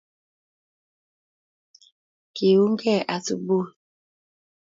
Kiungei asubui.